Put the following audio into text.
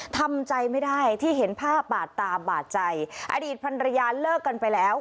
ทำใจไม่ได้ที่เห็นภาพบาดตาบาดใจอดีตพันรยาเลิกกันไปแล้ว